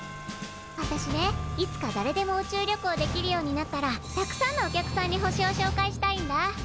私ねいつかだれでも宇宙旅行できるようになったらたくさんのお客さんに星をしょうかいしたいんだ。